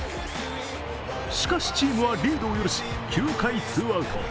しかしチームはリードを許し９回ツーアウト。